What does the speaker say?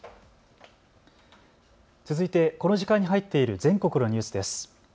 続いてこの時間に入っている全国のニュースです。